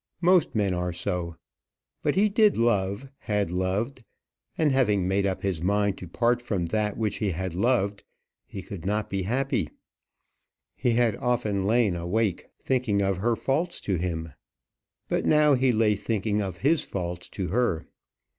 Most men are so. But he did love, had loved; and having made up his mind to part from that which he had loved, he could not be happy. He had often lain awake, thinking of her faults to him; but now he lay thinking of his faults to her.